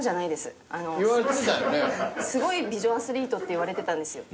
すごい美女アスリートって言われてたんですよ。